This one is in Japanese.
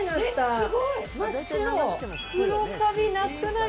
すごい！